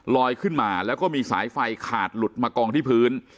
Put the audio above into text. ลอยขึ้นมาแล้วก็มีสายไฟขาดหลุดมากองที่พื้น